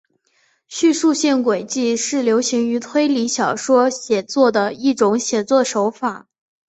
叙述性诡计是流行于推理小说写作的一种写作手法。